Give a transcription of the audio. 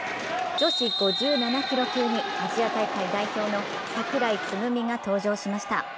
女子５７キロ級にアジア大会代表の櫻井つぐみが登場しました。